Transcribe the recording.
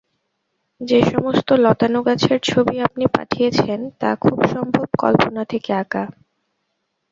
যে সমস্ত লতানো গাছের ছবি আপনি পাঠিয়েছেন, তা খুব সম্ভব কল্পনা থেকে আঁকা।